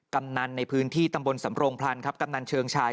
กำนันในพื้นที่ตำบลสำโรงพลันครับกำนันเชิงชาย